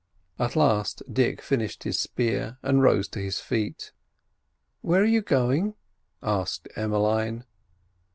At last Dick finished his spear and rose to his feet. "Where are you going?" asked Emmeline.